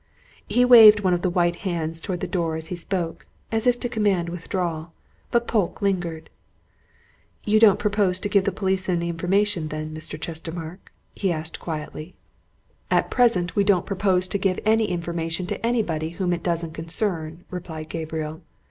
He waved one of the white hands towards the door as he spoke, as if to command withdrawal. But Polke lingered. "You don't propose to give the police any information, then, Mr. Chestermarke?" he asked quietly. "At present we don't propose to give any information to anybody whom it doesn't concern," replied Gabriel.